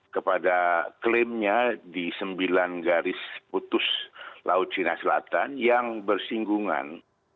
kepada klaimnya di sembilan garis putus laut cina selatan yang bersinggungan